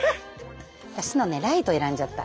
私のねライト選んじゃった。